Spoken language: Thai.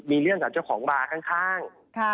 มีเรื่องกับเจ้าของบาร์ข้าง